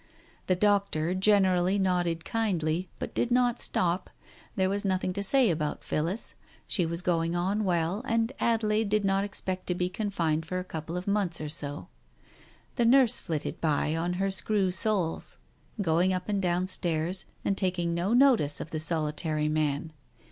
The doctor generally nodded kindly, but did not slop, there was nothing to say about Phillis ; she was going on well, and Adelaide did not expect to be confined for a couple of months or so. The nurse flitted by on her screw soles, going up and downstairs, and taking no notice of the solitary man.